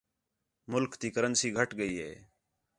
ملک تی کرنسی گھٹ ڳئی ہے